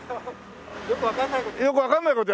よくわかんない事。